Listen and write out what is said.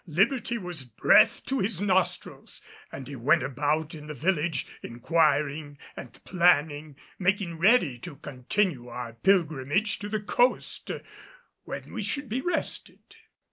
Liberty was breath to his nostrils, and he went about in the village inquiring and planning, making ready to continue our pilgrimage to the coast when we should be rested.